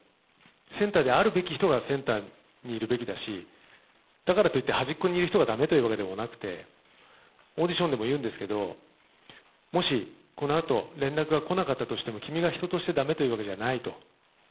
センターであるべき人がセンターにいるべきだし、だからといって端っこにいる人がだめというわけでもなくて、オーディションでも言うんですけれども、もしこのあと連絡が来なかったとしても、君が人としてだめというわけじゃないと。